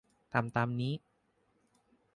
ทำตามนี้